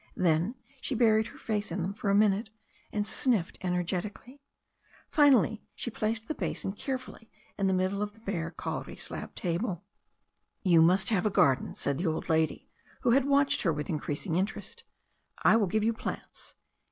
Then she buried her face in them for a min ute, and sniffed energetically. Finally, she placed the basin carefully in the middle of the bare, kauri slab table. "You must have a garden," said the old lady, who had watched her with increasing interest. "I will give you plants."